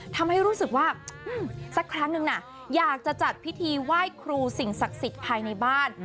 ทำให้รู้สึกว่าสักครั้งนึงนะอยากจะจัดพิธีไหว้ครูสิ่งศักดิ์สิทธิ์ภายในบ้าน